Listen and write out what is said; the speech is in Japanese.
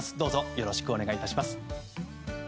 よろしくお願いします。